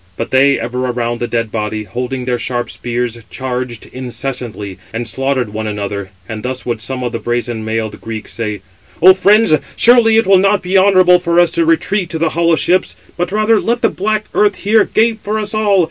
But they, ever around the dead body, holding their sharp spears, charged incessantly, and slaughtered one another, and thus would some of the brazen mailed Greeks say: "O friends, surely it will not be honourable for us to retreat to the hollow ships; but [rather] let the black earth here gape for all.